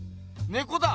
ねこだ！